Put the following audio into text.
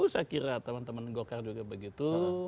saya kira teman teman golkar juga begitu